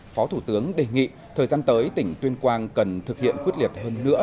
phó thủ tướng đề nghị thời gian tới tỉnh tuyên quang cần thực hiện quyết liệt hơn nữa